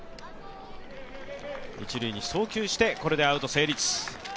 一塁に送球してこれでアウト成立。